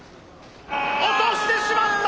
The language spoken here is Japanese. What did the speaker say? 落としてしまった！